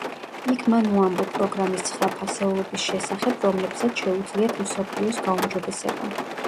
იქ მან უამბო პროგრამის ცხრა ფასეულობის შესახებ, რომლებსაც შეუძლიათ მსოფლიოს გაუმჯობესება.